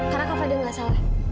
karena kak fadil gak salah